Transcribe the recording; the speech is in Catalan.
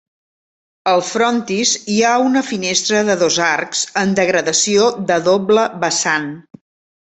Al frontis hi ha una finestra de dos arcs en degradació de doble vessant.